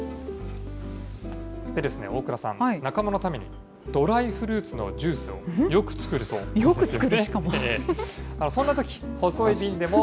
大倉さん、仲間のために、ドライフルーツのジュースをよく作るそよく作る？